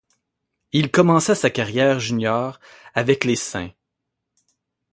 Il commence sa carrière junior avec les St.